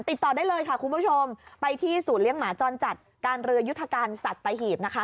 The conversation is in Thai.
ติดต่อได้เลยค่ะคุณผู้ชมไปที่ศูนย์เลี้ยงหมาจรจัดการเรือยุทธการสัตหีบนะคะ